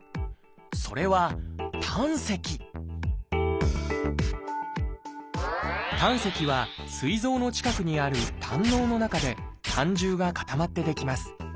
それは胆石「胆石」はすい臓の近くにある胆のうの中で胆汁が固まって出来ます。